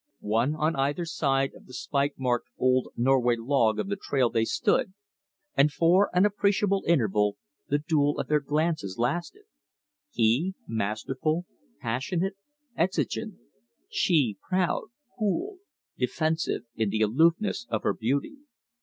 One on either side of the spike marked old Norway log of the trail they stood, and for an appreciable interval the duel of their glances lasted, he masterful, passionate, exigent; she proud, cool, defensive in the aloofness of her beauty.